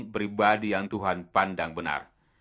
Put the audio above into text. pribadi yang tuhan pandang benar